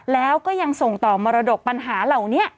แล้วก็ยังส่งต่อมรดกปัญหาเหล่านี้